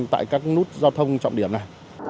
tại các nút giao thông trọng điểm này